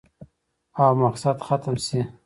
او مقصد ختم شي